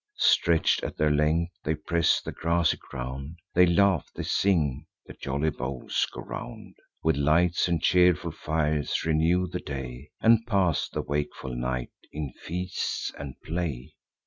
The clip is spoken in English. Stretch'd at their length, they press the grassy ground; They laugh, they sing, (the jolly bowls go round,) With lights and cheerful fires renew the day, And pass the wakeful night in feasts and play.